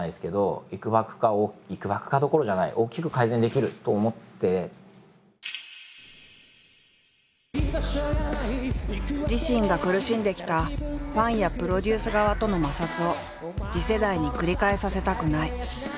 きっとそれはたぶん自身が苦しんできたファンやプロデュース側との摩擦を次世代に繰り返させたくない。